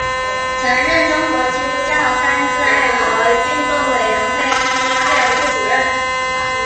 曾任中国基督教三自爱国运动委员会第一届副主席。